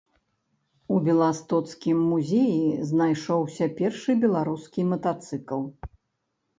У беластоцкім музеі знайшоўся першы беларускі матацыкл.